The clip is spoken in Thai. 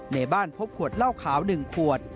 ในบ้านพบขวดเหล้าขาว๑ขวด